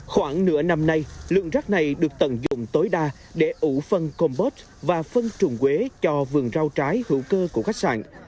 khoảng nửa năm nay lượng rác này được tận dụng tối đa để ủ phân combot và phân trùng quế cho vườn rau trái hữu cơ của khách sạn